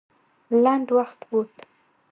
لنډ وخت ووت.